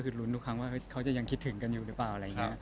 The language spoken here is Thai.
ก็รุนได้ว่าเขายังคิดถึงกันหรือเปล่า